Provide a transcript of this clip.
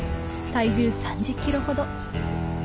体重３０キロほど。